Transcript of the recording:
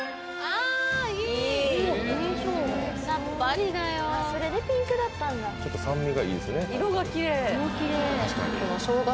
さっぱりだよあっそれでピンクだったんだちょっと酸味がいいですね